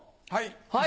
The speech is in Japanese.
はい。